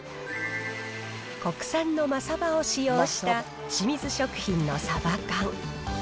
国産のマサバを使用した清水食品のサバ缶。